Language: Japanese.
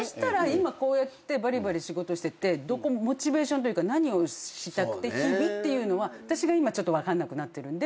今こうやってバリバリ仕事しててモチベーションというか何をしたくて日々っていうのは私が今ちょっと分かんなくなってるんで。